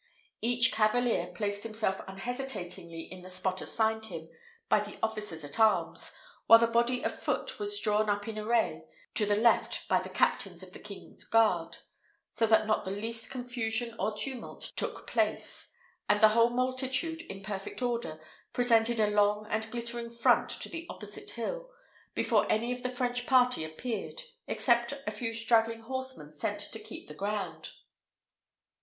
Each cavalier placed himself unhesitatingly in the spot assigned him by the officers at arms, while the body of foot was drawn up in array to the left by the captains of the king's guard, so that not the least confusion or tumult took place; and the whole multitude, in perfect order, presented a long and glittering front to the opposite hill, before any of the French party appeared, except a few straggling horsemen sent to keep the ground.